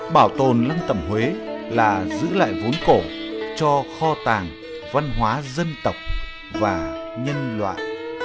bảo tồn lăng tầm huế là giữ lại vốn cổ cho kho tàng văn hóa dân tộc và nhân loại